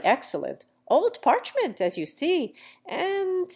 excellent — old parchment, as you see — and